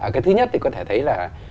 cái thứ nhất thì có thể thấy là